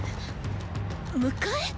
迎え